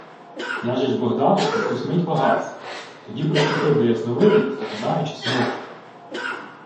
Княжич Богдан якусь мить вагавсь, тоді приступив до Ясновиди й, затинаючись, мовив: